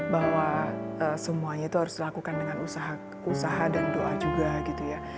bahwa semuanya itu harus dilakukan dengan usaha dan doa juga gitu ya